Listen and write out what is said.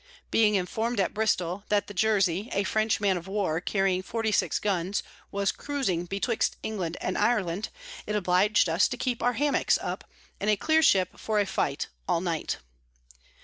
Being inform'd at Bristol that the Jersy, a French Man of War carrying 46 Guns, was cruising betwixt England and Ireland, it oblig'd us to keep our Hammocks up, and a clear Ship for a Fight, all night.